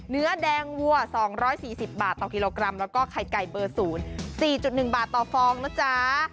เนื้อแดงวัว๒๔๐บาทต่อกิโลกรัมแล้วก็ไข่ไก่เบอร์๐๔๑บาทต่อฟองนะจ๊ะ